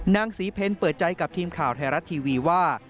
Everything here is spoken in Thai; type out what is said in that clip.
นางศรีเพลเปิดใจกับทีมข่าวไทยรัฐทีวีว่า